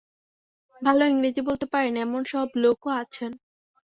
ভাল ইংরেজী বলতে পারেন, এমন সব লোকও আছেন।